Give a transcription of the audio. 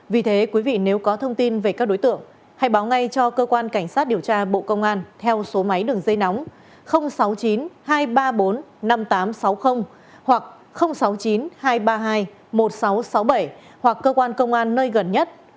vì thế quý vị nếu có thông tin về các đối tượng hãy báo ngay cho cơ quan cảnh sát điều tra bộ công an theo số máy đường dây nóng sáu mươi chín hai trăm ba mươi bốn năm nghìn tám trăm sáu mươi hoặc sáu mươi chín hai trăm ba mươi hai một nghìn sáu trăm sáu mươi bảy hoặc cơ quan công an nơi gần nhất